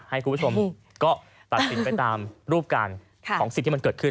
ให้คุณผู้ชมตราบสินไปตามรูปการของสิทธิ์ที่เกิดขึ้น